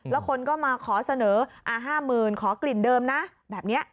แล้วคนก็มาขอเสนอ๕๐๐๐ขอกลิ่นเดิมนะแบบนี้